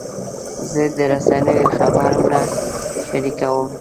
زه د رسنیو خبرونه شریکوم.